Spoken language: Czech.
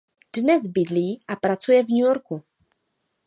Dnes bydlí a pracuje v New Yorku.